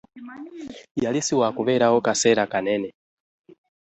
Yali ssiwakubeerawo kaseera kanene.